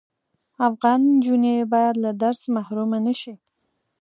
افغان انجوني بايد له درس محرومه نشی